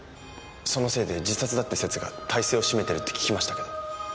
そのせいで自殺だって説が大勢を占めてるって聞きましたけど。